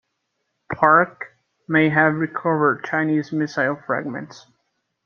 "Parche" may have recovered Chinese missile fragments.